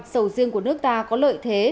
sầu riêng của nước ta có lợi thế